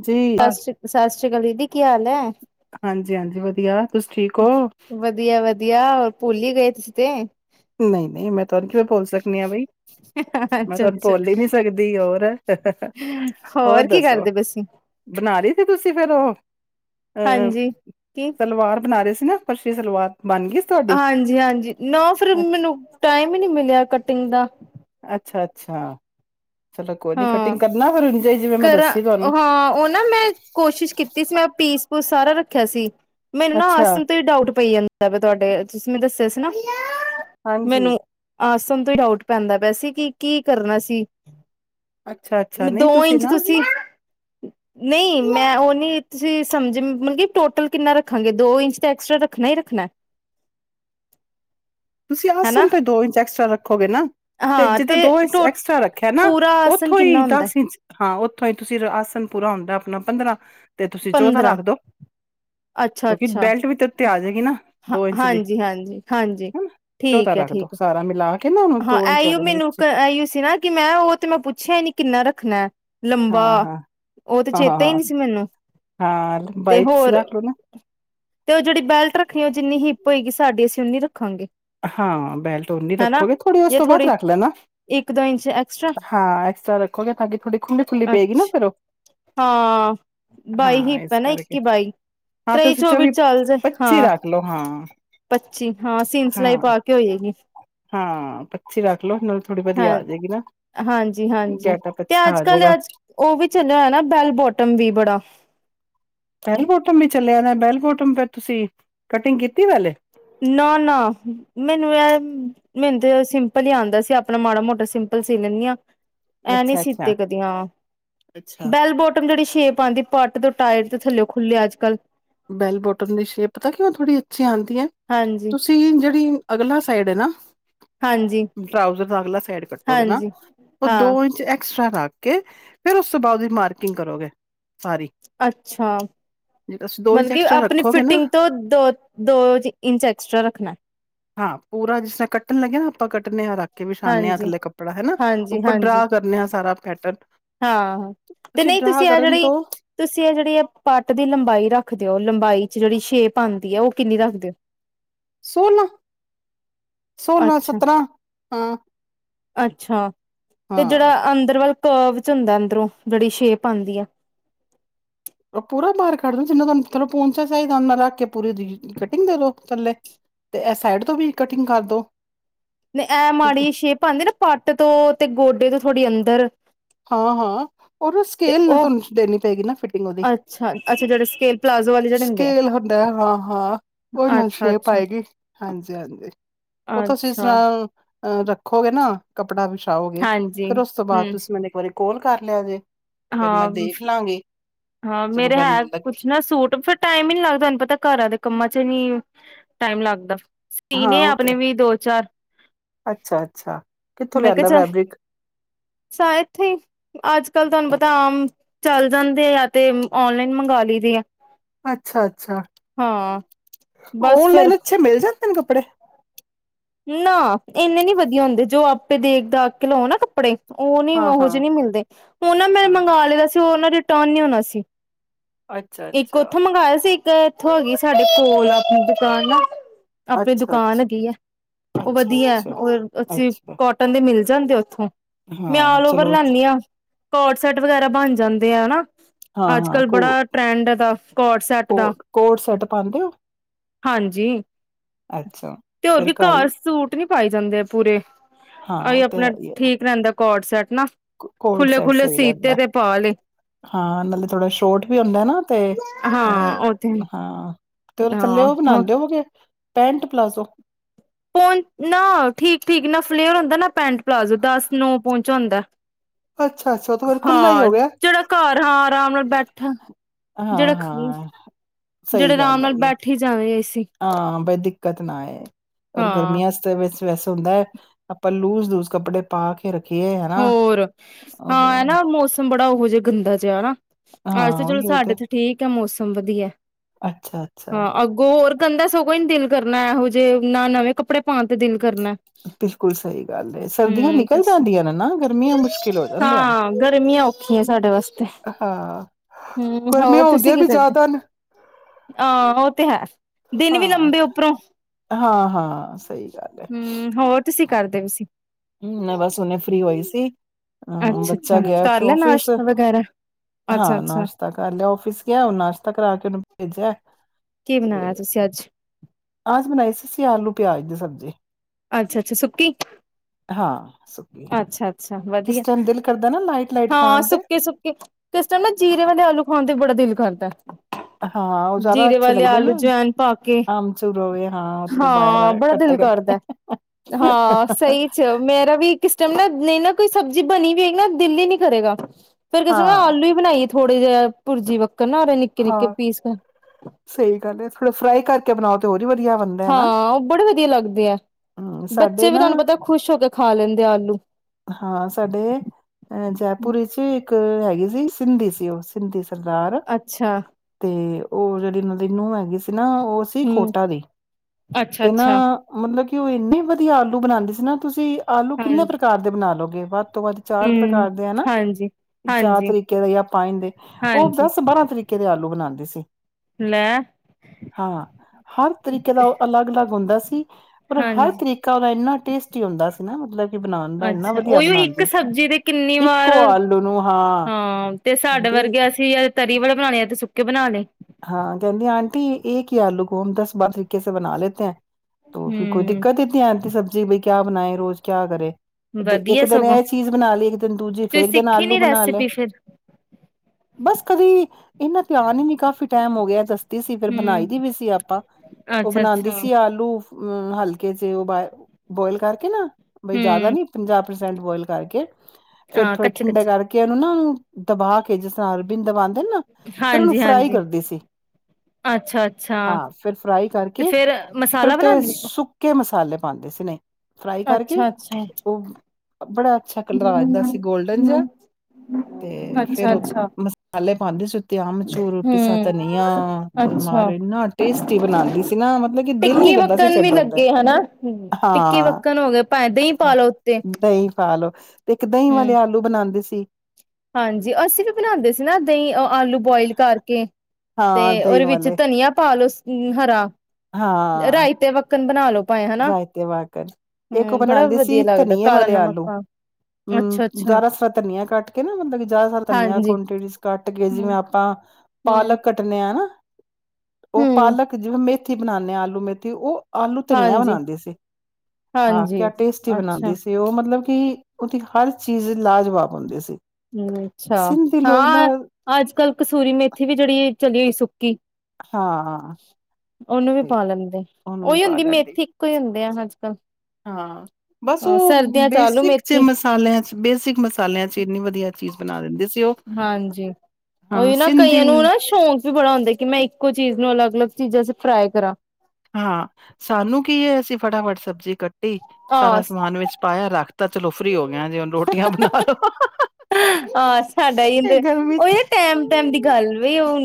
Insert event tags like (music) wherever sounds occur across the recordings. ਜੀ ਸਸ ਸਤਿ ਸ਼੍ਰੀ ਅਕਾਲ ਦੀਦੀ ਕੀ ਹਾਲ ਹੈ। ਹਾਂਜੀ- ਹਾਂਜੀ ਵਧੀਆ, ਤੁਸੀਂ ਠੀਕ ਹੋ ਵਧੀਆ- ਵਧੀਆ ਭੁੱਲ ਹੀ ਗਏ ਤੁਸੀ ਤੇ ਨਹੀਂ ਨਹੀਂ ਮੈਂ ਤੁਹਾਨੂੰ ਕਿਵੇਂ ਭੁੱਲ ਸਕਦੀ ਆਂ ਬਈ ਮੈਂ ਅੱਛਾ ਤੁਹਾਨੂੰ ਅੱਛਾ ਭੁੱਲ ਹੀ ਨਹੀਂ ਸਕਦੀ ਹੋਰ, ਹੋਰ ਕੀ ਦੱਸੋ ਕਰਦੇ ਪਏ ਸੀ ਬਣਾ ਰੇ- ਤੇ ਤੁਸੀਂ ਫੇਰ ਉਹ ਅ ਹਾਂਜੀ ਸਲਵਾਰ ਬਣਾ ਰੇ ਸੀ। ਹੈ ਨਾ ਫਰਸੀ ਸਲਵਾਰ ਬਣ ਗਈ ਸੀ ਤੁਹਾਡੀ ਹਾਂਜੀ-ਹਾਂਜੀ ਨੌ ਫਿਰ ਅੱਛਾ ਮੈਨੂੰ ਟਾਈਮ ਹੀ ਨੀ ਮਿਲਿਆ ਕਟਿੰਗ ਦਾ ਅੱਛਾ-ਅੱਛਾ। ਹਾਂ ਜਿਵੇਂ ਮੈਂ ਕਰਾਂ ਦੱਸੀ ਤੁਹਾਨੂੰ ਹਾਂ ਉਹ ਨਾ ਮੈਂ ਕੋਸ਼ਿਸ਼ ਕੀਤੀ ਸੀ ਮੈਂ ਪੀਸ ਪੂਸ ਸਾਰਾ ਰੱਖ ਰਖਿਆ ਸੀ। ਮੈਨੂੰ ਨਾ ਅੱਛਾ ਆਸਨ ਤੋਂ ਹੀ ਡਾਊਟ ਪਈ ਜਾਂਦਾ ਹੈਗਾ ਤੁਹਾਡੇ ਤੁਸੀਂ ਮੈ ਦੱਸਿਆ ਸੀ ਨਾ ਹਾਂਜੀ ਮੈਨੂੰ ਆਸਨ ਤੋਂ ਈ ਡਾਊਟ ਪੈਂਦਾ ਪਿਆ ਸੀ ਕਿ ਕੀ ਕਰਨਾ ਸੀ ਅੱਛਾ ਅੱਛਾ ਦੋ ਨਹੀਂ ਇੰਚ ਨਾ ਤੁਸੀਂ, ਨਹੀਂ ਮੈਂ ਉਹ ਨੀ ਤੁਸੀਂ ਸਮਝਾਂਗੀ ਟੋਟਲ ਕਿੰਨਾ ਰੱਖਾਂਗੇ ਦੋ ਇੰਚ ਤੇ ਐਕਸਟਰਾ ਰੱਖਣਾ ਈ ਰੱਖਣਾ ਤੁਸੀਂ ਹਨਾ ਆਸਣ ਤੇ ਦੋ ਇੰਚ ਐਕਸਟਰਾ ਰੱਖੋਗੇ ਨਾ ਤੇ ਹਾਂ ਜਿੱਦਾਂ ਦੋ ਇੰਚ ਟੋ ਐਕਸਟਰਾ ਰੱਖਿਆ ਨਾ ਪੂਰਾ ਉਹ ਆਸਨ ਥੋਈ ਕਿੰਨਾ ਹੁੰਦਾ ਦਸ ਇੰਚ ਹਾਂ, ਉੱਥੋਂ ਹੀ ਤੁਸੀਂ ਆਸਣ ਪੂਰਾ ਹੁੰਦਾ ਆਪਣਾ ਪੰਦਰਾਂ ਤੇ ਤੁਸੀਂ ਚੋਂਦਾ ਪੰਦਰਾਂ ਰੱਖ ਦੋ ਅੱਛਾ ਕਿਉਂਕਿ ਅੱਛਾ ਬੈਲਟ ਵੀ ਤੇ ਉੱਤੇ ਆ ਜਾਏਗੀ ਨਾ ਹਾਂ ਦੋ ਇੰਚ ਦੀ ਹਾਂਜੀ ਹਾਂਜੀ ਹਾਂਜੀ ਹੂੰ ਚੌਦਾ ਠੀਕ ਹੈ ਰੱਖਦੋ ਠੀਕ ਹੈ ਸਾਰਾ ਮਿਲਾ ਕੇ। ਨਾ ਉਹਨੂੰ ਹਾਂ, ਦੋ ਇੰਚ ਆਈਓ ਵਾਲੇ ਦੇ ਮੈਨੂੰ ਵਿੱਚ ਆਈਓ ਸੀ ਨਾ ਕਿ ਮੈਂ ਉਹ ਤੇ ਮੈਂ ਪੁੱਛਿਆ ਇਹ ਨ ਕਿੰਨਾ ਰੱਖ ਖਣਾ ਹਾਂ ਲੰਬਾ, ਹਾਂ ਉਹ ਤੇ ਹਾਂ ਚੇਤਾ ਹੀ ਹਾਂ ਨਹੀਂ ਸੀ ਮੈਨੂੰ ਹਾਂ ਤੇ ਲੰਬਾਈ ਤੁਸੀਂ ਹੋਰ ਰੱਖ ਲਓ ਨਾ ਤੇ ਉਹ ਜਿਹੜੀ ਬੈਲਟ ਰੱਖਣੀ ਉਹ ਜਿੰਨੀ ਹਿੱਪ ਹੋਏਗੀ ਸਾਡੀ ਅਸੀਂ ਉਓਨੀ ਰੱਖਾਂਗੇ ਹਾਂ, ਬੈਲਟੋਨੀ ਹਨਾ ਰੱਖੋਗੇ ਥੋੜੀ ਉਸ ਜਾਂ ਤੋਂ ਬਾਅਦ ਰੱਖ ਲੈਣਾ। ਇੱਕ ਦੋ ਇੰਚ ਐਕਸਟਰਾ ਹਾਂ, ਐਕਸਟਰਾ ਰੱਖੋਗੇ ਤਾਂ ਕਿ ਥੋੜੀ ਖੁੱਲੀ ਢੁਲੀ ਪਏਗੀ ਅੱਛਾ ਨਾ ਫਿਰਰ ਉਹ ਹਾਂ, ਬਾਈ ਹੀ ਹਾਂ ਇਸ ਪੈ ਨਾ ਕਰਕੇ ਇੱਕੀ-ਬਾਈ ਹਾਂ ਤੇ ਤੁਸੀਂ ਤ੍ਰਈ-ਚੌਵੀ ਚੌਵੀ ਚੱਲ ਜਾਏ ਪੱਚੀ ਹਾਂ ਰੱਖ ਲਓ ਹਾਂ ਪੱਚੀ, ਹਾਂ। ਸਲਾਈ ਹਾਂ ਪਾ ਕੇ ਹੋਈਏਗੀ। ਹਾਂ ਪੱਚੀ ਰੱਖ ਲੋ ਨਾਲ ਥੋੜ੍ਹੀ ਵਧੀਆ ਹਾਂ, ਆ ਜਾਏਗੀ ਨਾ ਹਾਂਜੀ-ਹਾਂਜੀ ਗੈਟਅਪ ਤੇ ਅੱਛਾ ਅੱਜ ਆ ਕੱਲ ਜਾਏਗਾ ਅੱਜ ਉਹ ਵੀ ਚੱਲਿਆ ਹੈ ਨਾ ਬੋਟਮ ਵੀ ਬੜਾ ਬੈਲ ਬੇਲਬੋਟੇਮ ਵੀ ਚੱਲਿਆ ਬੈਲਬੋਟਮ ਫੇ ਤੁਸੀਂ ਕਟਿੰਗ ਕੀਤੀ ਪਹਿਲੇ ਨਾ-ਨਾ, ਮੈਨੂੰ ਏ ਮੈਨੂੰ ਤੇ ਸਿੰਪਲ ਹੀ ਆਉਂਦਾ ਸੀ ਆਪਣਾ ਮਾੜਾ ਮੋਟਾ ਸਿੰਪਲ ਸੀ ਲੈਂਦੀ ਹਾਂ ਐ ਨਹੀਂ ਅੱਛਾ ਅੱਛਾ ਸੀਤੇ ਕਦੀ ਹਾਂ ਅੱਛਾ ਬੈਲ ਬੋਟਮ ਜਿਹੜੀ ਛੇ ਪਾਾਂਦੀ ਪੱਟ ਤੋਂ ਟਾਇਰ ਤੇ ਥੱਲੇ ਖੁੱਲ੍ਹੇ ਅੱਜ ਕੱਲ ਬੈਲ ਬੋਟਨ ਦੀ ਸ਼ੇਪਤਾ ਕਿਵੇਂ ਥੋੜੀ ਅੱਛੀ ਆਂਦੀ ਹੈ ਹਾਂਜੀ ਤੁਸੀਂ ਜਿਹੜੀ ਅਗਲਾ ਸਾਈਡ ਹੈ ਨਾ ਹਾਂਜੀ ਟਰਾਊਜ਼ਰ ਦਾ ਅਗਲਾ ਸਾਈਡ ਕੱਟੋਗੇ ਨਾ ਹਾਂਜੀ ਉਹ ਦੋ ਹਾਂ ਇੰਚ ਐਕਸਟ੍ਰਾ ਐਕਸਟਰਾ ਰੱਖ ਕੇ ਫੇਿਰ ਉਸ ਤੋਂ ਬਾਅਦ ਉਹਦੀ ਮਾਰਕਿੰਗ ਕਰੋਗੇ ਸਾਰੀ ਅੱਛਾ। ਜੇ ਤੁਸੀਂ ਦੋ ਇੰਚ ਮਤਲਬ ਕਿ ਐਕਸਟਰਾ ਆਪਣੀ ਰੱਖੋਗੇ ਨਾ ਫਿਟਿੰਗ ਤੋਂ ਦੋ ਦੋ ਇੰਚ ਐਕਸਟਰਾ ਰੱਖਣਾ ਹਾਂ ਪੂਰਾ ਜਿਸ ਤਰ੍ਹਾਂ ਕੱਟਣ ਲੱਗਿਆ ਨਾ ਆਪਾਂ ਕੱਟਣੇ ਹਾਂ ਰੱਖ ਕੇ ਵਿਛਾਨੇ ਹਾਂ ਹਾਂਜੀ ਥੱਲੇ ਕੱਪੜਾ ਹਨਾ ਹਾਂਜੀ ਉੱਪਰ ਹਾਂਜੀ ਡਰਾ ਕਰਨੇ ਆ ਸਾਰਾ ਪੈਟਰਨ ਹਾਂ ਹਾਂ ਤੇ ਨਹੀਂ ਡਰਾ ਤੁਸੀਂ ਇਹ ਕਰਨ ਜਿਹੜੀ ਤੋਂ ਤੁਸੀਂ ਇਹ ਜਿਹੜੀ ਆ ਪੱਟ ਦੀ ਲੰਬਾਈ ਰੱਖਦੇਓ ਲੰਬਾਈ ਚ ਜਿਹੜੀ ਸ਼ੇਪ ਆਉਂਦੀ ਹੈ ਉਹ ਕਿੰਨੀ ਰੱਖਦੇਓ ਸੋਲਾਂ ਸੋਲਾਂ ਅੱਛਾ, ਸਤਰਾਂ ਹਾਂ ਅੱਛਾ ਤੇ ਜਿਹੜਾ ਅੰਦਰ ਵੱਲ ਕਰਵ ਚ ਹੁੰਦਾ ਅੰਦਰੋਂ ਜਿਹੜੀ ਸ਼ੇਪ ਆਉਂਦੀ ਹੈ ਉਹ ਪੂਰਾ ਬਾਹਰ ਕੱਢ ਦੋ ਜਿੰਨਾ ਤੁਹਾਨੂੰ ਚਥਲੋ ਪਹੁੰਚਾ ਚਾਹੀ ਨਾਲ ਰੱਖ ਕੇ ਪੂਰੀ ਕਟਿੰਗ ਦੇ ਦੋ ਤਲੇ ਤੇ ਇਹ ਸਾਈਡ ਤੋਂ ਵੀ ਕਟਿੰਗ ਕਰ ਦੋ ਤੇ ਇਹ ਮਾੜੀ ਸ਼ੇਪ ਆਉਂਦੀ ਨਾ ਪੱਟ ਤੋਂ ਤੇ ਗੋਡੇ ਤੋਂ ਥੋੜ੍ਹੀ ਅੰਦਰ ਹਾਂ ਹਾਂ ਉਹਰ ਤੇ ਸਕੇਲ ਨਾ ਉਹ ਤੁਹਾਨੂੰ ਦੇਣੀ ਪਏਗੀ ਨਾ ਫਿਟਿੰਗ ਉਹਦੀ ਅੱਛਾ, ਅੱਛਾ ਜਿਹੜੇ ਸਕੇਲ ਪਲਾਜ਼ੋ ਵਾਲੇ ਜਿਹੜੇ ਹੁੰਦੇ ਆ ਸਕੇਲ ਹੁੰਦਾ ਹਾਂ ਹਾਂ ਓ ਨਾਲ ਅੱਛਾ, ਸ਼ੇਪ ਅੱਛਾ, ਆਏਗੀ ਹਾਂਜੀ ਹਾਂਜੀ ਉਹ ਤੁਸੀਂ ਸੁਣਾ ਅੱਛਾ ਅ ਰੱਖੋਗੇ ਨਾ ਕ ਕੱਪੜਾ ਵਿਛਾਓਗੇ ਹਾਂਜੀ ਫੇਰ ਉਸ ਤੋਂ ਬਾਅਦ ਹੂੰ ਤੁਸੀ ਮੈਨ ਤੇ ਕੋਲ ਕਰ ਲਿਆ ਜੇ ਫਿਰ ਮੈਂ ਹਾਂ ਦੇਖ ਲਵਾਂਗੇ ਹਾਂ ਮੇਰੇ ਹੈ ਕੁਛ ਨਾ ਸੂਟ ਫਿਰ ਟਾਈਮ ਹੀ ਨੀ ਲੱਗਦਾ ਤੁਹਾਨੂੰ ਪਤਾ ਘਰਾਂ ਦੇ ਕੰਮਾਂ ਚ ਨਹੀਂ ਟਾਈਮ ਲਗਦਾ ਸੀ ਹਾਂ ਨੇ ਉਹ ਤੇ ਆਪਣੇ ਵੀ ਦੋ ਚਾਰ ਅੱਛਾ ਅੱਛਾ ਕਿੱਥੋਂ ਲਿਆਂਦਾ ਫੈਬਰਿਕ ਸ਼ਾਇ ਇੱਥੇ ਅੱਜ ਕੱਲ ਤੁਹਾਨੂੰ ਪਤਾ ਆਮ ਚੱਲ ਜਾਂਦੇ ਆ ਜਾਂ ਤੇ ਔਨਲਾਈਨ ਮੰਗਵਾ ਲਈ ਦੀ ਆ ਅੱਛਾ ਅੱਛਾ ਹਾਂ ਬਸ ਫਿਰ ਓਨਲਾਈਨ ਅੱਛੇ ਮਿਲ ਜਾਂਦੇ ਨੇ ਕੱਪੜੇ ਨਾ ਇੰਨੇ ਨੀ ਵਧੀਆ ਹੁੰਦੇ ਜੋ ਆਪੇ ਦੇਖ ਦਾਖ ਕੇ ਲਓ ਨਾ ਕੱਪੜੇ ਉਹ ਨੀ ਹਾਂ ਉਹ ਹਾਂ ਜਿਹੇ ਨਹੀਂ ਮਿਲਦੇ ਉਹ ਨਾ ਮੇ ਹਾਂ ਮੰਗਵਾ ਲ ਦਾ ਸੀ ਉਹਨਾਂ ਟਰਨ ਨਹੀਂ ਹੋਣਾ ਸੀ ਅੱਛਾ ਇੱਕ ਅੱਛਾ ਉੱਥੋਂ ਮੰਗਵਾਇਆ ਸੀ ਇੱਕ ਇੱਥੋਂ ਹੋਗੀ ਸਾਡੇ ਕੋਲ ਆਪਣੀ ਦੁਕਾਨ ਆਪਣੀ ਅੱਛਾ ਅੱਛਾ ਦੁਕਾਨ ਹੈਗੀ ਹੈ ਉਹ ਅੱਛਾ ਵਧੀਆ ਅੱਛਾ ਉਹਰ ਅਸੀਂ ਅੱਛਾ ਕੋਟਨ ਦੇ ਮਿਲ ਜਾਂਦੇ ਆ ਉੱਥੋਂ ਮੈਂ ਹਾਂ ਆਲ ਓਵਰ ਚਲੋ ਲੇਨੀ ਹਾਂ ਕੋਡ ਸੈਟ ਵਗੈਰਾ ਬਣ ਜਾਂਦੇ ਆ ਹਨਾ ਹਾਂ ਅੱਜ ਹਾਂ ਕੱਲ੍ਹ ਕੋ ਬੜਾ ਟਰੈਂਡ ਦਾ ਕੋਡ ਸੈਟ ਕੋ ਦਾ ਕੋਟ ਸੈਟ ਪਾਉਂਦੇ ਹੋ ਹਾਂਜੀ ਅੱਛਾ ਤੇ ਹੋਰ ਫਿਰ ਕੀ ਘਰ ਸੂਟ ਨੀ ਪਾਏ ਜਾਂਦੇ ਆ ਪੂਰੇ ਹਾਂ ਅਹੀ ਉਹ ਤੇ ਆਪਣਾ ਹੈ ਹੀ ਆ ਠੀਕ ਰਹਿੰਦਾ ਕੋਰਡ ਸੈਟ ਨਾ ਕੋਡ ਖੁੱਲੇ ਸੈਟ ਖੁੱਲੇ ਸਹੀ ਸੀਤੇ ਰਹਿੰਦਾ ਤੇ ਪਾ ਲਏ ਹਾਂ ਨਾਲੇ ਥੋੜਾ ਸ਼ੋਟ ਵੀ ਹੁੰਦਾ ਨਾ ਤੇ ਅ ਹਾਂ ਉਹ ਤੇ ਹਾਂ ਤੇ ਉਹਦੇ ਥੱਲੇ ਹਾਂ ਉਹ ਹੋਰ ਬਣਾਉਂਦੇ ਹੋਗੇ ਪੈਂਟ ਪਲਾਜ਼ੋ ਪੋ ਨਾ ਠੀਕ ਠੀਕ ਨਾ ਫਲੇਅਰ ਹੁੰਦਾ ਨਾ ਪੈਂਟ ਪਲਾਜ਼ੋ ਦਸ ਨੌ ਪਹੁੰਚਉਂਦਾ ਅੱਛਾ ਅੱਛਾ ਉਹ ਤਾਂ (unintelligible) ਫਿਰ ਖੁੱਲਾ ਹੀ ਹਾਂ ਹੋ ਗਿਆ ਜਿਹੜਾ ਘਰ ਹਾਂ ਆਰਾਮ ਨਾਲ ਬੈਠਾ ਹਾਂ ਜਿਹੜਾ ਹਾਂ ਜਿਹੜੇ ਸਹੀ ਆਰਾਮ ਗੱਲ ਨਾਲ ਹੈਗੀ ਬੈਠੀ ਜਾਦੇ ਸੀ ਕਤ ਨਾ ਹੈ ਔਰ ਗਰਮੀਆਂਸ ਵਿੱਚ ਸਵੈਸ ਹੁੰਦਾ ਹੈ ਆਪਾਂ ਲੂਜ ਲੂਜ ਕੱਪੜੇ ਪਾ ਕੇ ਰੱਖ ਹੋਰ ਹਾਂ ਹਨ ਨਾ ਮੌਸਮ ਬੜਾ ਉਹ ਜ ਜੇ ਗੰਦਾ ਜਿਹਾ ਨਾ ਅੱਸ ਹਾਂ ਚਲੋ ਉਹੀ ਹੋ ਸਾਡੇ ਤੇ ਠੀਕ ਹੈ ਮੌਸਮ ਹੂ ਵਧੀਆ ਅੱਛਾ ਅੱਛਾ ਕੰੰਧਦਾ ਸਗੋਂ ਈ ਨੀ ਦਿਲ ਕਰਨਾ ਇਹੋ ਜਹੇ ਨਾ ਨਵੇਂ ਕੱਪੜੇ ਪਾਉਣ ਤੇ ਦਿਲ ਕਰਨਾ ਬਿਲਕੁਲ ਸਹੀ ਗੱਲ ਸਰਦੀਆਂ ਹਮ ਨਿਕਲ ਜਾਂਦੀਆਂ ਨੇ ਨਾ ਗਰਮੀਆਂ ਮੁਸ਼ਕਿਲ ਹੋ ਜਾਂਦੀਆਂ ਹਨ ਹਾਂ ਗਰਮੀਆਂ ਔਖੀਆ ਡੇਸਤੇ ਹਾਂ ਹਮ ਗਰਮੀਆਂ ਹੋਰ ਤੁਸੀਂ ਹੁੰਦੀਆਂ ਕੀ ਵੀ ਕਰਦੇ ਜ਼ਿਆਦਾ ਨੇ ਹਾਂ ਇਹ ਤੇ ਹੈ ਦਿਨ ਵੀ ਹਾਂ ਲੰਬੇ ਉੱਪਰੋਂ ਹਾਂ ਹਾਂ ਸਹੀ ਹਮ ਹੋਰ ਤੁਸੀਂ ਕਰਦੇ ਵੀ ਸੀ ਹਮ ਮੈਂ ਬਸ ਹੁਨੇ ਫਰੀ ਹੋਈ ਸੀ ਅ ਅੱਛਾ ਬੱਚਾ ਅੱਛਾ ਗਿਆ ਕਰ ਉਥੇ ਲਿਆ ਆਫਿਸ ਨਾਸ਼ਤਾ ਵਗੈਰਾ ਅੱਛਾ ਹਾਂ ਅੱਛਾ ਨਾਸ਼ਤਾ ਕਰ ਲਿਆ ਆਫਿਸ ਗਿਆ ਨਾਸ਼ਤਾ ਕਰਾ ਕੇ ਉਹਨ ਜਾ ਕੀ ਬਣਾਇਆ ਤੁਸੀਂ ਅੱਜ ਆਜ ਬਣਾਈ ਸੀ ਸੀ ਆਲੂ ਪਿਆਜ ਦੀ ਸਬਜ਼ੀ ਅੱਛਾ ਅੱਛਾ ਸੁਕੀ ਸੁਕੀ ਅੱਛਾ ਵਧੀਆ ਹਾਂ ਖਾਣ ਤੇ ਸੁੱਕੇ ਸੁੱਕੇ ਕਿਸ ਟਾਈਮ ਨਾ ਜੀਰੇ ਵਾਲੇ ਆਲੂ ਖਾਦੇ ਬੜਾ ਦਿਲ ਕਰਦਾ ਹਾਂ ਉਹ ਜ਼ਿਆਦਾ ਜੀਰੇ ਅੱਛੇ ਵਾਲੇ ਲੱਗਦੇ ਆਲੂ ਨਾ ਜਵੈਨ ਪਾ ਕੇ ਆਮਚੂਰ ਹੋਵੇ ਹਾਂ ਉੱਤੇ ਪਾਇਆ ਹਾਂ ਦਾ ਬੜਾ ਦਿਲ ਕੱਟੇ ਕੱਟੇ ਕਰਦਾ ਹਾਂ ਸਹੀ ਚ ਮੇਰਾ ਵੀ ਕਿਸ ਟਾਈਮ ਨਾਲ ਨਹੀਂ ਨਾ ਕੋਈ ਸਬਜ਼ੀ ਬਣੀ ਵੀ ਹੈਗੀ ਨਾ ਦਿਲ ਹੀ ਨੀ ਕਰੇਗਾ ਫੇਰ ਕਿਸੇ ਨਾ ਹਾਂ ਆਲੂ ਹੀ ਬਣਾਈ ਥੋੜੇ ਜਿਹੇ ਭੁਰਜੀ ਵਤ ਹਾਂ ਸਹੀ ਗੱਲ ਹੈ ਥੋੜਾ ਫਰਾਈ ਕਰਕੇ ਬਣਾਓ ਤੇ ਹੋਰ ਵਧੀਆ ਬਣਦਾ ਹੈ ਨਾ ਹਾਂ ਉਹ ਬੜੇ ਵਧੀਆ ਲੱਗਦੇ ਆ ਹਮ ਸਾਡੇ ਬੱਚੇ ਵੀ ਨਾ ਤੁਹਾਨੂੰ ਪਤਾ ਖ਼ੁਸ਼ ਹੋ ਕੇ ਖਾ ਲੈਂਦੇ ਆ ਆਲੂ ਹਾਂ ਸਾਡੇ ਅ ਜੈਪੁਰ ਚ ਇੱਕ ਹੈਗੀ ਸੀ ਸਿੰਧੀ ਸੀ ਉਹ ਸਿੰੀ ਅੱਛਾ ਤੇ ਉਹ ਜਿਹੜੀ ਉਹਨਾਂ ਦੀ ਨ ਨੂੰਹ ਹੈਗੀ ਸੀ ਨਾ ਉਹ ਸੀ ਹਮ ਕੋਟਾ ਦੀ ਅੱਛਾ ਤੇ ਨਾ ਅੱਛਾ ਮਤਲਬ ਕਿ ਉਹ ਇੰਨੇ ਵਧੀਆ ਆਲੂ ਬਣਾਉਂਦੇ ਸੀ ਨਾ ਤੁਸੀਂ ਆਲੂ ਕਿੰਨੇ ਹਾਂਜੀ ਪ੍ਰਕਾਰ ਦੇ ਬਣਾ ਲਓ ਵਧ ਤੋਂ ਵੱਧ ਤੋਂ ਬਾੱਦ ਚਾਰ ਹਮ ਪ੍ਰਕਾਰ ਦੇ ਹੈ ਨਾ ਹਾਂਜੀ ਚਾਰ ਹਾਂਜੀ ਤਰੀਕੇ ਦੇ ਜਾਂ ਪਾਣੀ ਦੇ ਉਹ ਹਾਂਜੀ ਦਸ ਬਾਰਾਂ ਤਰੀਕੇ ਆਲੂ ਬਣਾਉਂਦੀ ਸੀ ਲੈ ਹਾਂ ਹਰ ਤਰੀਕੇ ਦਾ ਉਹ ਅਲੱਗ ਅਲੱਗ ਹੁੰਦਾ ਸੀ ਪਰ ਹਰ ਹਾਂਜੀ ਤਰੀਕਾ ਉਹਦਾ ਇੰਨਾ ਟੇਸਟੀ ਹੁੰਦਾ ਸੀ ਨਾ ਮਤਲਬ ਕਿ ਬਣਾਉਣ ਦਾ ਇੰਨਾ ਅੱਛਾ ਵਧੀਆ ਉਓਹੀਓ ਇੱਕ ਬਣਾਉਂਦੀ ਸੀ ਸਬਜ਼ੀ ਤੇ ਕਿੰਨੀ ਵਾਰ ਇੱਕੋ ਆਲੂ ਨੂੰ ਹਾਂ ਤੇ ਸਾਡੇ ਕਹਿੰਦੀ ਵਰਗੇ ਅਸੀਂ ਤਰੀ ਵਾਲਾ ਬਣਾਣੇ ਆ ਤੇ ਸੁਕੇ ਕਿ ਬਣਾ ਲਏ ਹਾਂ ਕਹਿੰਦੀ ਆਂਟੀ ਇੱਕ ਹੀ ਆਲੂ ਕੋ ਹਮ ਦਸ ਬਾਰ ਤਰੀਕੇ ਸ ਬਣਾ ਲੇਤੇ ਹੈ ਕੋਈ ਹੂੰ ਦਿੱਕਤ ਆ ਸਬਜ਼ੀ ਬ ਕਿਆ ਬਣਾਏ ਰੋਜ਼ ਕਿਆ ਕਰੇ ਇੱਕ ਵਧੀਆ ਦਿਨ ਸਗੋਂ ਇਹ ਚੀਜ਼ ਬਣਾ ਲਈ ਇੱਕ ਦਿਨ ਦੂਜੀ ਫੇਿਰ ਤੁਸੀਂ ਇੱਕ ਦਿਨ ਸਿੱਖੀ ਆਲੂ ਨੀ ਬਣਾ ਲਏ ਰੈਸਿਪੀ ਫਿਰ ਬਸ ਕਦੇ ਇਨਾ ਧਿਆਨ ਹੀ ਨਹੀਂੀ ਕਾਫ਼ੀ ਟਾਈਮ ਹੋ ਗਿਆ ਦੱਸਦੀ ਸੀ ਫਿਰ ਹੂੰ ਬਣਾਈ ਦੀ ਵੀ ਸੀ ਆਪਾਂ ਉਹ ਅੱਛਾ ਬਣਾਉਂਦੀ ਅੱਛਾ ਸੀ ਆਲੂ ਅਮ ਹਲਕੇ ਚ ਉਹ ਬ ਬੋਇਲ ਕਰਕੇ ਨਾ ਬਈ ਜ਼ਿਆਦਾ ਹੂੰ ਨੀ ਪੰਜਾਹ ਪ੍ਰਸੈਂਟ ਬੋਇਲ ਕਰਕੇ ਫੇਰ ਹਾਂ ਥੋੜੇ ਕੱਚੇ ਠੰਡੇ ਕੱਚੇ ਕਰਕੇ ਉਹਨੂੰ ਨਾ ਤਬਾਹ ਕੇ ਜਿਸ ਨਾਲ ਬ ਦਬਉਂਦੇ ਨਾ ਫ਼ੇਰ ਉਹਨੂੰ ਹਾਂਜੀ ਫਰਾਈ ਹਾਂਜੀ ਕਰਦੀ ਸੀ ਅੱਛਾ ਅੱਛਾ ਹਾਂ ਫਿਰ ਫਰਾਈ ਤੇ ਕਰਕੇ ਫੇਰ ਫਿਰ ਮਸਾਲਾ ਤੇ ਬਣਾਉਂਦੇ ਸੀ ਸੁੱਕੇ ਮਸਾਲੇ ਪਾਉਂਦੇ ਸੀ ਨੇ ਫਰਾਈ ਕਰਕੇ ਅੱਛਾ ਅੱਛਾ ਉਹ ਬੜਾ ਅੱਛਾ ਕਲਰ ਆ ਜਾਂਦਾ ਸੀ ਗੋਲਡਨ ਜਿਹਾ ਤੇ ਅੱਛਾ ਫੇਿਰ ਅੱਛਾ ਮਸਾਲੇ ਪਾਾਂਦੇ ਸੁ ਤੇ ਅਮਚੂਰ ਪ ਸ ਹੂੰ ਤੇ ਮਾਰ ਅੱਛਾ ਇੰਨਾ ਟੇਸਟੀ ਬਣਾਉਂਦੀ ਸੀ ਨਾ ਮਤਲਬ ਕਿ ਦਿਲ ਨ ਟਿੱਕੀ ਕਰਦਾ ਸੀ ਵੱਕਣ ਵੀ ਛੱਡਣ ਦਾ ਲੱਗੇ ਹਨਾ ਟਿੱਕੀ ਹਾਂ ਵੱਕਣ ਹੋ ਗਏ ਭਾਵੇਂ ਦਹੀਂ ਪਾ ਲਓ ਉੱਤੇ ਦਹੀਂ ਪਾਲੋ। ਇੱਕ ਦਹੀਂ ਹੂੰ ਵਾਲੇ ਆਲੂ ਬਣਾਉਂਦੇ ਸੀ। ਤੇ ਹਾਂਜੀ, ਅਸੀਂ ਵੀ ਬਣਾਉਦੇ ਸੀ ਨਾ, ਦਹੀਂ- ਆਲੂ ਬੋਇਲ ਕਰਕੇ ਤੇ ਹਾਂ ਦਹੀਂ ਉਹਦੇ ਵਿੱਚ ਵਾਲੇ ਧਨੀਆ ਪਾ ਪਾ ਲੋ ਹਰਾ। ਹਾਂ ਰਾਯਤੇ ਵਕਨ। ਬਣਾ ਲਓ। ਰਾਇਤੇ ਵਾਕਨ। ਇੱਕ ਉਹ ਬੜਾ ਬਣਾਉਂਦੇ ਸੀ। ਵਧੀਆ ਲੱਗਦਾ ਧਨੀਏ ਕਾਲਾ ਵਾਲੇ ਨਮਕ ਆਲੂ ਪਾ ਹਮ, ਅੱਛਾ ਅੱਛਾ ਜਾਯਦਾ ਸਾਂਰਾ ਧਨੀਆ ਕੱਟ ਕੇ ਨਾ ਮਤਲਬ ਜ਼ਿਆਦਾ ਸਾਰਾ ਧਨੀਆਂ ਹਾਂਜੀ ਕੁਆਂਟਿਟੀ ਕੱਟ ਕੇ, ਹਮ ਜਿਵੇਂ ਆਪਾਂ ਹਮ ਪਾਲਕ ਕੱਟਣੇ ਆ ਨਾ। ਉਹ ਹਮ ਪਾਲਕ ਜਿਵੇਂ ਮੇਥੀ ਮੇਥੀ ਬਣਾਨੇਆ, ਆਲੂ- ਮੇਥੀ ਉਹ ਆਲੂ ਧਨੀਆ ਹਾਂਜੀ ਬਣਾਉਂਦੀ ਸੀ। ਹਾਂ, ਹਾਂਜੀ ਕਿਆ ਟੇਸਟੀ ਅੱਛਾ ਬਣਾਉਂਦੀ ਸੀ। ਉਹ ਮਤਲਬ ਕਿ ਉਹਦੀ ਹਰ ਚੀਜ਼ ਲਾਜਵਾਬ ਹੁੰਦੀ ਸੀ। ਹਮ ਅੱਛਾ, ਸਿੰਧੀ ਲੋਕ ਦਾ ਹਾਂ ਅੱਜ ਕੱਲ੍ਹ ਕਸੂਰੀ ਮੇਥੀ ਵੀ ਜਿਹੜੀ ਚਲੀ ਹੋਈ ਸੁੱਕੀ। ਹਾਂ ਉਹਨੂੰ ਵੀ ਤੇ ਪਾ ਲੈਂਦੇ, ਉਹਨੂੰ ਵੀ ਉਹੀ ਪਾ ਹੁੰਦੀ ਲੈਂਦੀ ਮੇਥੀ, ਇੱਕੋ ਹੀ ਹੁੰਦੇ ਆ ਅੱਜ ਕੱਲ ਹਾਂ, ਬਸ ਉਹ ਸਰਦੀਆਂ ਚ ਆਲੂ ਬੇਸਿਕ ਚ ਮੇਥੀ ਮਸਾਲਿਆਂ ਚ ਬੇਸਿਕ ਮਸਾਲਿਆਂ ਚ ਇੰਨੀ ਵਧੀਆ ਚੀਜ਼ ਬਣਾ ਦਿੰਦੇ ਸੀ ਉਹ ਹਾਂਜੀ, ਹਾਂ ਉਹੀ ਨਾ ਕਈਆਂ ਨੂੰ ਸਿੰਧੀ ਨਾ ਸ਼ੌਂਕ ਵੀ ਬੜਾ ਹੁੰਦਾ, ਕਿ ਮੈਂ ਇੱਕੋ ਚੀਜ਼ ਨੂੰ ਅਲੱਗ- ਅਲੱਗ ਚੀਜ਼ਾਂ ਫਰਾਈ ਕਰਾਂ। ਹਾਂ, ਸਾਨੂੰ ਕੀ ਹੈ, ਅਸੀਂ ਫਟਾਫਟ ਸਬਜ਼ੀ ਕੱਟ ਟੀ ਆ ਸਾਰਾ ਸਮਾਨ ਵਿੱਚ ਪਾਇਆ ਰੱਖ ਤਾਂ ਚਲੋ ਫਰੀ ਹੋ ਗਿਆ, ਜੇ ਹੁਨ ਰੋਟੀਆਂ ਬਣਾ ਲਓ ਹਾਂ ਸਾਡਾ ਹੀ ਗਰਮੀ ਚ, ਉਹੀ ਨਾ ਟੈਮ-ਟੈਮ ਦੀ ਗੱਲ ਵੀ ਉਹ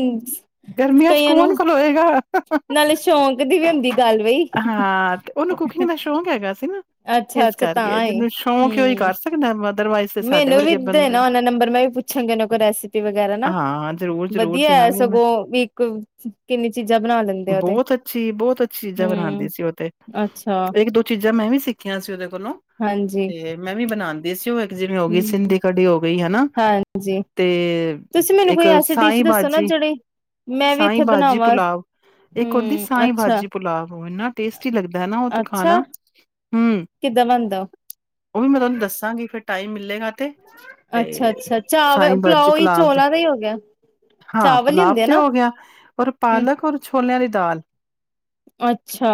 ਗਰਮੀਆਂ ਚ ਕਈਆਂ ਨੂੰ ਕੌਣ ਖਲੋਏਗਾ। ਨਾਲੇ ਸ਼ੌਕ ਦੀ ਵੀ ਹੁੰਦੀ ਗੱਲ ਬਈ ਹਾਂ, ਤੇ ਉਹਨੂੰ ਕੁਕਿੰਗ ਦਾ ਸ਼ੌਂਕ ਹੈਗਾ ਸੀ ਨਾ, ਇਸ ਅੱਛਾ-ਅੱਛਾ ਕਰਕੇ ਤਾਂ ਏ। ਜਿਹਨੂੰ ਸ਼ੌਂਕ ਉਹੀ ਕਰ ਹੂੰ ਸਕਦਾ ਮਤਲਬ ਮੈਨੂੰ ਵੀ ਦੇ ਨਾ ਉਹਨਾ ਦਾ ਨੰਬਰ, ਮੈਂ ਵੀ ਪੁੱਛਾਂਗੀ ਉਹਨਾਂ ਕੋਲ ਰੈਸਪੀ ਵਗੈਰਾ ਨਾ, ਹਾਂ, ਜ਼ਰੂਰ-ਜ਼ਰੂਰ ਵਧੀਆ ਹੈ, ਦਿਆਂਗੀ ਮੈਂ ਸਗੋਂ ਵੀ ਕਿੰਨੀ ਚੀਜ਼ਾਂ ਬਣਾ ਲੈਂਦੇ ਆ ਉਹ ਤੇ ਬਣਾਉਂਦੀ ਹੂੰ ਸੀ ਉਹ ਤੇ, ਅੱਛਾ ਇੱਕ- ਦੋ ਚੀਜ਼ਾਂ ਮੈਂ ਵੀ ਸਿੱਖਿਆ ਸੀ ਉਹਦੇ ਦੋਨੋ, ਹਾਂਜੀ ਤੇ ਮੈਂ ਵੀ ਬਣਾਉਂਦੀ ਸੀ ਉਹ ਜਿਵੇਂ ਹੋ ਗਈ ਹੂੰ ਸਿੰਧੀ ਕੜੀ ਹੋ ਗਈ, ਹੈਨਾ, ਹਾਂਜੀ ਤੇ ਤੁਸੀਂ ਮੈਨੂੰ ਇੱਕ ਕੋਈ ਐਸੀ ਡਿਸ਼ ਸਾਈ- ਦੱਸੋ ਨਾ ਬਾਜੀ, ਜਿਹੜੇ ਮੈਂ ਵੀ ਸਾਈ ਇੱਥੇ ਬਾਜੀ ਬਣਾਵਾਂ ਪੁੁਲਾਵ ਇੱਕ ਹੁੰਦੀ ਹੂੰ ਸਾਈ ਅੱਛਾ ਬਾਜੀ ਆਹੋ ਇੰਨਾ ਟੇਸਟੀ ਲੱਗਦਾ ਨਾ ਉਹ ਤੇ ਅੱਛਾ ਖਾਣਾ ਹਮ ਕਿੱਦਾਂ ਬਣਦਾ ਉਹ ਉਹ ਵੀ ਮੈਂ ਤੁਹਾਨੂੰ ਦੱਸਾਂਗੀ ਫਿਰ ਟਾਈਮ ਮਿਲੇਗਾ ਤੇ ਅੱਛਾ ਅੱਛਾ ਸਾਈ ਚਾਵਲ ਭਾਜ਼ੀ ਪੁਲਾਓ ਹੀ ਪੁੁਲਾਵ ਦੇ, ਚੋਲਾਂ ਦਾ ਹੀ ਹੋ ਗਿਆ ਹਾਂ ਚਾਵਲ ਹੀ ਪੁੁਲਾਬ ਹੁੰਦੇ ਆ ਤੇ ਨਾ ਹੋ ਗਿਆ, ਹੋਰ ਹੂੰ ਪਾਲਕ ਔਰ ਛੋਲਿਆਂ ਦੀ ਦਾਲ ਅੱਛਾ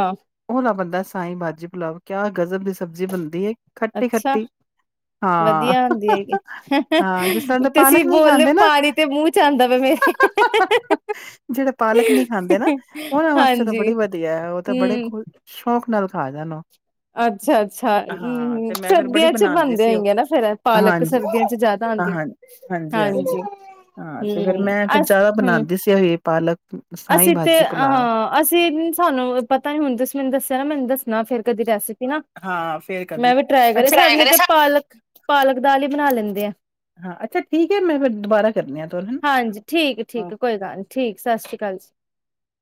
ਬੰਦਾ ਸਾਈ ਬਾਾਜੀ ਪੁਲਾਵ ਕਿਆ ਗਜ਼ਬ ਦੀ ਸਬਜ਼ੀ ਬਣਦੀ ਹੈ ਖੱਟੀ ਅੱਛਾ ਖੱਟੀ ਹਾਂ ਵਧੀਆ ਹੁੰਦੀ ਹੈਗੀ ਹਾਂ ਜਿਸ ਤਰ੍ਹਾਂ ਤਾਂ ਤੁਸੀਂ ਪਾਲਕ ਨਹੀਂ ਬੋਲਦੇ ਖਾਂਦੇ ਨਾ ਪਾਣੀ ਤੇ ਮੂੰਹ ਚ ਆਂਦਾ ਪਿਆ ਮੇਰੇ ਜਿਹੜੇ ਪਾਲਕ ਨ ਖਾਂਦੇ ਨਾ ਉਹਨਾਂ ਵਾਸਤੇ ਤਾਂ ਹਾਂਜੀ ਬੜੀ ਵਧੀਆ ਹੈ ਉਹ ਤਾਂ ਬੜੇ ਹੂੰ ਸ਼ੌਕ ਨਾਲ ਖਾ ਜਾਣਾ ਅੱਛਾ ਅੱਛਾ ਹਮ ਮੈਂ ਫੇਰ ਬੜੀ ਸਰਦੀਆਂ ਚ ਬਣਾਉਂਦੀ ਬਣਦੇ ਸੀ ਉਹ। ਹੋਏਗੇ ਨਾ ਫੇਿਰ ਪਾਲਕ ਹਾਂਜੀ ਸਰਦੀਆਂ ਚ ਜ਼ਿਆਦਾ ਹਾਂ ਆਉਂਦੀਆਂ ਹਾਂਜੀ-ਹਾਂਜੀ। ਹਾਂਜੀ ਹਾਂ ਤੇ ਫੇਰ ਹੂ ਮੈਂ ਫਿਰ ਅਸ ਜ਼ਿਆਦਾ ਹੂ ਬਣਾਉਂਦੀ ਸੀ ਇਹ ਪਾਲਕ ਸਾਈ ਅਸੀਂ ਤੇ ਭਾਜੀ ਪੁਲਾਵ। ਹਾਂ ਅਸੀਂ ਸਹਾਨੂੰ ਪਤਾ ਨੀ ਹੁਣ ਤੁਸੀਂ ਮੈਨੂੰ ਦੱਸਿਆ ਨਾ ਮੈਨੂੰ ਦੱਸ ਫੇਰ ਕਦੀ ਰੈਸੀਪੀ ਨਾ ਹਾਂ ਫੇਰ ਮੈਂ ਕਦੀ ਵੀ ਟਰਾਈ ਕਰੇ ਅੱਛਾ ਸਾਡੇ ਨੇ ਤੇ ਪਾਲਕ ਪਾਲਕ ਦਾਲ ਹੀ ਬਣਾ ਲੈਂਦੇ ਆ ਹਾਂ ਅੱਛਾ ਠੀਕ ਹੈ ਮੈਂ ਫਿਰ ਦੁਬਾਰਾ ਕਰਨੀ ਆ ਤੁਹਾਨੂੰ ਹੈ ਹਾਂਜੀ ਨਾ ਹਾਂਜੀ